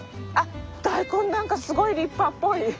あっ大根何かすごい立派っぽい。